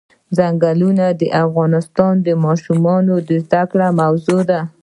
ځنګلونه د افغان ماشومانو د زده کړې موضوع ده.